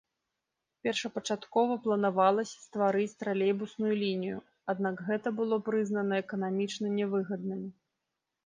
Першапачаткова планавалася стварыць тралейбусную лінію, аднак гэта было прызнана эканамічна нявыгадным.